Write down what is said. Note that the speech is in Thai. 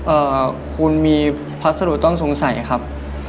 เอ่อคุณมีพัสดุต้องสงสัยครับ